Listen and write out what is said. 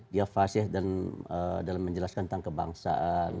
dia faseh dalam menjelaskan tentang kebangsaan